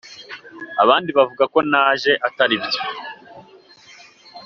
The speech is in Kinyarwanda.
abandi bakavuga ko naje ataribyo